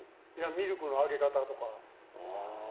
ミルクのあげ方とか。